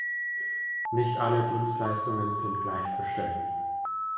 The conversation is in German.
Nicht alle Dienstleistungen sind gleichzustellen.